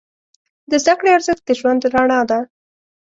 د زده کړې ارزښت د ژوند رڼا ده.